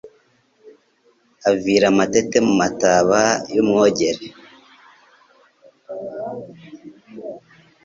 Avira amatete Mu mataba y'u Mwogere.